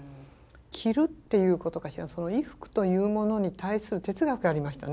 着るっていうことかしらその衣服というものに対する哲学がありましたね